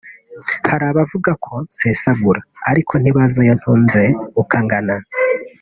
hari abavuga ko ngo nsesagura ariko ntibazi ayo ntunze uko angana”